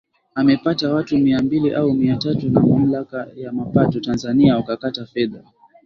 amepata watu mia mbili au mia tatu na mamlaka ya mapato Tanzania wakakata fedha